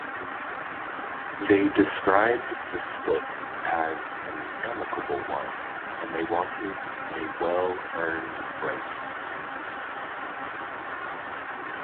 They described the split as an "amicable" one and they wanted a "well-earned break".